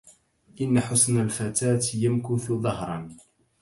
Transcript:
إن حسن الفتاة يمكث دهرا